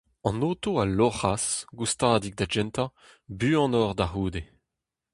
An oto a loc'has, goustadik da gentañ, buanoc'h da c'houde.